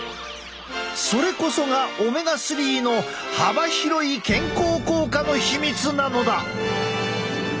それこそがオメガ３の幅広い健康効果の秘密なのだ。